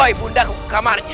aku ingin menangkapmu murid saya